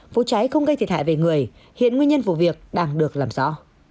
vụ cháy không gây thiệt hại về người hiện nguyên nhân vụ việc đang được làm rõ